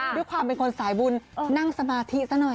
ด้วยความเป็นคนสายบุญนั่งสมาธิซะหน่อย